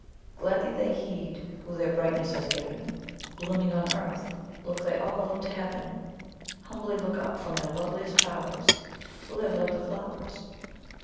Gladly they heed Who their brightness has given: Blooming on earth, look they all up to heaven; Humbly look up from their loveliest bowers: Live like the flowers!